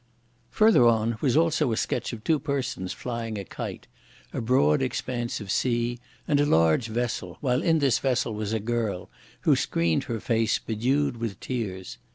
Further on, was also a sketch of two persons flying a kite; a broad expanse of sea, and a large vessel; while in this vessel was a girl, who screened her face bedewed with tears.